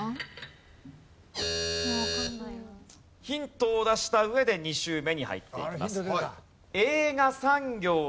ヒントを出した上で２周目に入っていきます。